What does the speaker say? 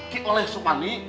ki oleh soekarni